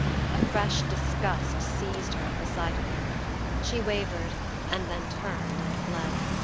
A fresh disgust seized her at the sight of them: she wavered, and then turned and fled.